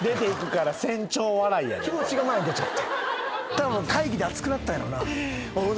たぶん会議で熱くなったんやろな。